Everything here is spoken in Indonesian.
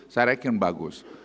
saya reken bagus